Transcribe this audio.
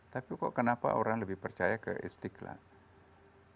tapi kok kenapa orang lebih percaya ke istiqlal